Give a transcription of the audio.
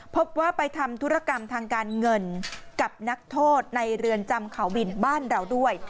พบว่าไปทำธุรกรรมทางการเงินกับนักโทษในเรือนจำเขาบินบ้านเราด้วย